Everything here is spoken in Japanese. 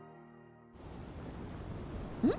うん？